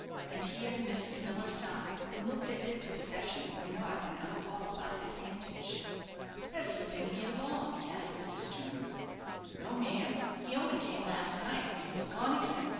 And here Mrs. Miller sighed, and looked as if the possession were not an unqualified advantage. "Has he been here long?" asked Mrs. Jernam. "No, ma'am; he only came last night, and is gone again.